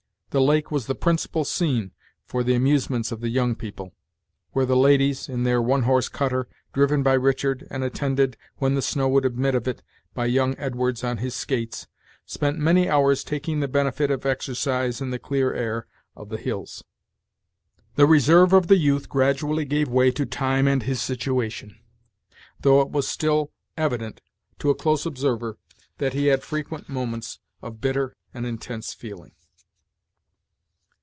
The lake was the principal scene for the amusements of the young people; where the ladies, in their one horse cutter, driven by Richard, and attended, when the snow would admit of it, by young Edwards on his skates, spent many hours taking the benefit of exercise in the clear air of the hills. The reserve of the youth gradually gave way to time and his situation, though it was still evident, to a close observer, that he had frequent moments of bitter and intense feeling.